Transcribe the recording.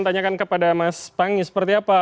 tanyakan kepada mas panggis seperti apa